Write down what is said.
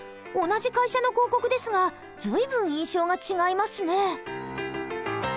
同じ会社の広告ですが随分印象が違いますね。